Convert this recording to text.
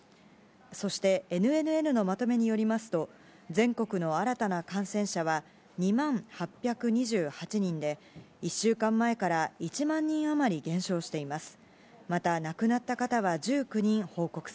そして、ＮＮＮのまとめによりますと、全国の新たな感染者は２万８２８人で、１週間前から１万人余り減少しています。